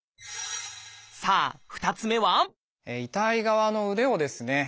さあ２つ目は痛い側の腕をですね